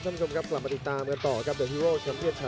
สำหรับฝาทะโละชั่วโบะ